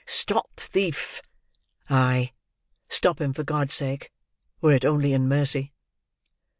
"Stop thief!" Ay, stop him for God's sake, were it only in mercy!